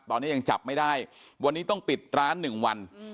ตอนนี้ยังจับไม่ได้วันนี้ต้องปิดร้าน๑วัน